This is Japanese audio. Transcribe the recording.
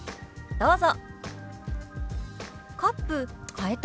どうぞ。